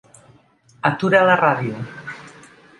Atura la ràdio.